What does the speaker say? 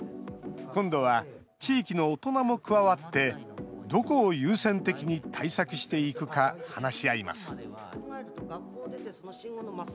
今度は地域の大人も加わって、どこを優先的に対策していくか、話し合います。